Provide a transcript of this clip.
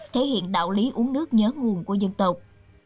thể hiện đạo lý uống nước nhớ nguồn của dân tộc